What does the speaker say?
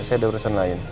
saya ada urusan lain